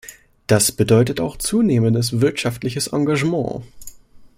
Das bedeutet auch zunehmendes wirtschaftliches Engagement.